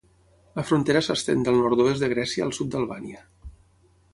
La frontera s'estén del nord-oest de Grècia al sud d'Albània.